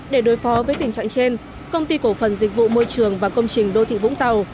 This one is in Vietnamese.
để đối phó với tình trạng trên công ty cổ phần dịch vụ môi trường và công trình đô thị vũng tàu